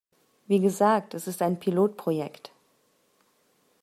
Wie gesagt, es ist ein Pilotprojekt.